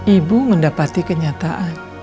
ibu mendapati kenyataan